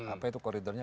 apa itu koridornya